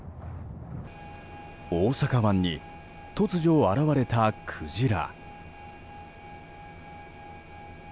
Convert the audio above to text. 大阪湾に突如現れたクジラ。